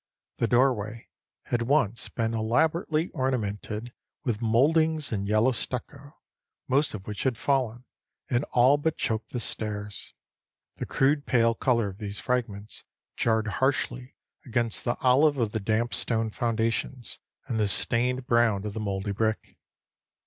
The doorway had once been elaborately ornamented with mouldings in yellow stucco, most of which had fallen, and all but choked the stairs. The crude pale color of these fragments jarred harshly against the olive of the damp stone foundations and the stained brown of the mouldy brick.